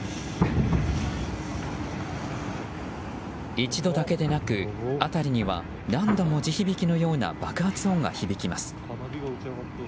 一度だけでなく、辺りには何度も地響きのような爆発音が響きます。